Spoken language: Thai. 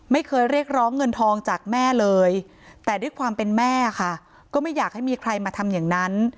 ไม่เคยเรียกร้องเงินทองจากแม่เลยแต่ด้วยความเป็นแม่ค่ะก็ไม่อยากให้มีใครมาทำอย่างนั้น